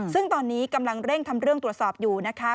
ซึ่งตอนนี้กำลังเร่งทำเรื่องตรวจสอบอยู่นะคะ